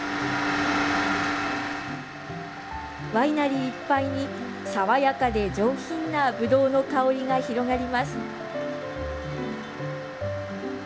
ワイナリーいっぱいに、爽やかで上品なぶどうの香りが広がります。